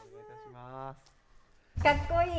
かっこいい！